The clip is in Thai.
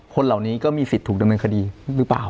คนเหล่านี้ก็มีสิทธิ์ถูกดำเนินคดีหรือเปล่า